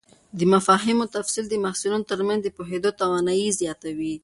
د مفاهیمو تفصیل د محصلینو تر منځ د پوهېدو توانایي زیاتوي.